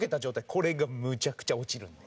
これがむちゃくちゃ落ちるので。